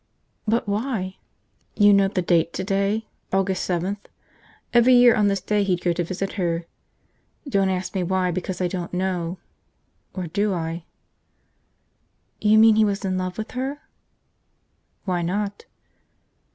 "But why?" "You know the date today? August seventh. Every year on this day he'd go to visit her. Don't ask me why because I don't know. .. or do I?" "You mean he was in love with her?" "Why not?"